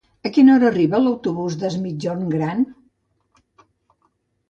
A quina hora arriba l'autobús d'Es Migjorn Gran?